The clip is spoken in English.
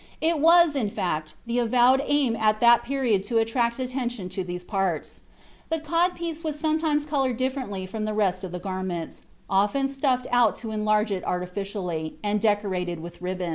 It was, in fact, the avowed aim at that period to attract attention to these parts. The cod piece was sometimes colored differently from the rest of the garments, often stuffed out to enlarge it artificially, and decorated with ribbons."